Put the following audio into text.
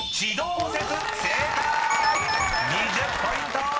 ［２０ポイント！］